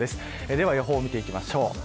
では、予報を見ていきましょう。